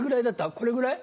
これぐらい？